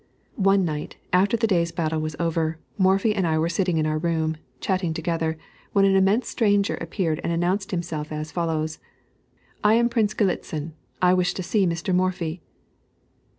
One night, after the day's battle was over, Morphy and I were sitting in our room, chatting together, when an immense stranger appeared and announced himself as follows: "I am Prince Galitzin; I wish to see Mr. Morphy."